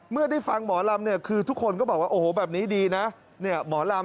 เมื่อได้ฟังหมอลำนี่คือทุกคนก็บอกว่าโอ้โหอันนี้ดีนะ